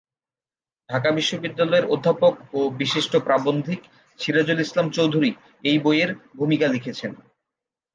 ঢাকা বিশ্ববিদ্যালয়ের অধ্যাপক ও বিশিষ্ট প্রাবন্ধিক সিরাজুল ইসলাম চৌধুরী এই বইয়ের ভূমিকা লিখেছেন।